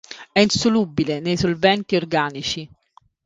È insolubile nei solventi organici.